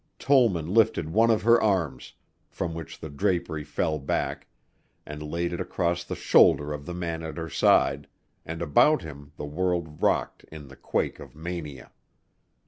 Tollman lifted one of her arms, from which the drapery fell back, and laid it across the shoulder of the man at her side, and about him the world rocked in the quake of mania.